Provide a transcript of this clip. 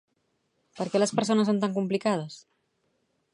Per què les persones són tan complicades?